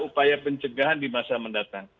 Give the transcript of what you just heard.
upaya pencegahan di masa mendatang